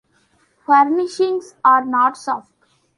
Furnishings are not soft.